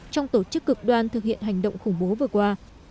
trong tổ chức cực đoan thực hiện hành động khủng bố vừa qua